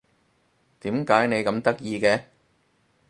點解你咁得意嘅？